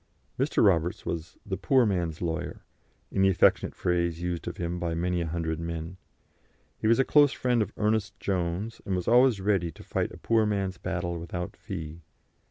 Mr. Roberts was "the poor man's lawyer," in the affectionate phrase used of him by many a hundred men. He was a close friend of Ernest Jones, and was always ready to fight a poor man's battle without fee.